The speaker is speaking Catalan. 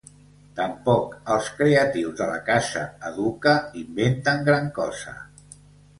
Tampoc els creatius de la casa Educa inventen gran cosa.